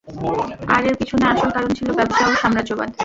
আর এর পিছনে আসল কারণ ছিল ব্যবসা ও সাম্রাজ্যবাদ।